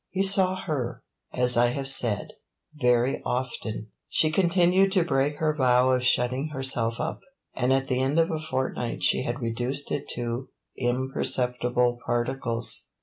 He saw her, as I have said, very often; she continued to break her vow of shutting herself up, and at the end of a fortnight she had reduced it to imperceptible particles.